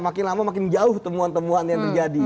makin lama makin jauh temuan temuan yang terjadi